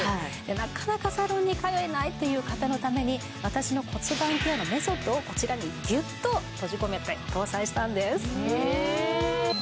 なかなかサロンに通えないっていう方のために私の。をこちらにギュっと閉じ込めて搭載したんです。